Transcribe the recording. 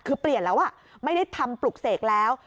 คือเปลี่ยนแล้วไม่ได้ทำปลุกเสกแล้ว